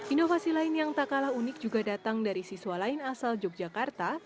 inovasi lain yang tak kalah unik juga datang dari siswa lain asal yogyakarta